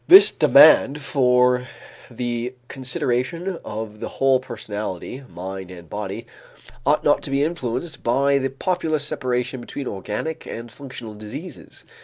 This demand for the consideration of the whole personality, mind and body, ought not to be influenced by the popular separation between organic and functional diseases.